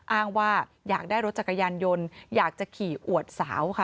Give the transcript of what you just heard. อ้างว่าอยากได้รถจักรยานยนต์อยากจะขี่อวดสาวค่ะ